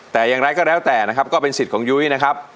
แต่อย่างไรก็แล้วแต่นะครับก็เป็นสิทธิ์ของยุ้ยนะครับ